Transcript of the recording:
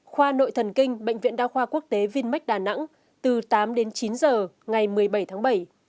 khoa nội thần kinh bệnh viện đa khoa quốc tế vinmec đà nẵng từ tám đến chín giờ ngày một mươi bảy tháng bảy